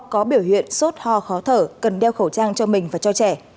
có biểu hiện sốt ho khó thở cần đeo khẩu trang cho mình và cho trẻ